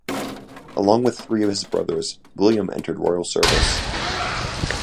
Along with three of his brothers, William entered royal service.